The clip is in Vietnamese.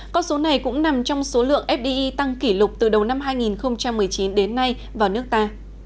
con số này cũng nằm trong số lượng fdi tăng kỷ lục từ đầu năm hai nghìn một mươi chín đến nay vào nước ta